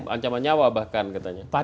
ancaman nyawa bahkan katanya